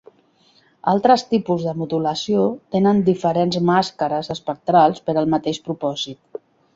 Altres tipus de modulació tenen diferents màscares espectrals per al mateix propòsit.